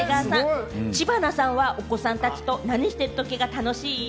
知花さんはお子さんたちと、何しているときが楽しい？